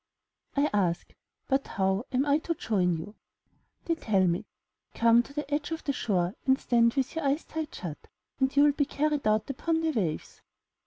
'' I ask, ''But, how am I to join you?" They tell me, ''Come to the edge of the shore and stand with your eyes tight shut, and you will be carried out upon the waves."